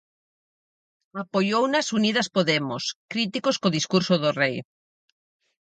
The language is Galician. Apoiounas Unidas Podemos, críticos co discurso do Rei.